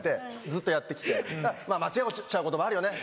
ずっとやって来て間違えちゃうこともあるよね。